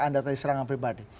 anda tadi serangan pribadi